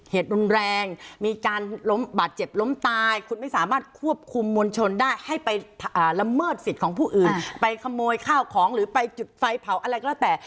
หรือไปจุดไฟเผาอะไรก็แล้วแต่